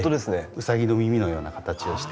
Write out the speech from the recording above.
ウサギの耳のような形をして。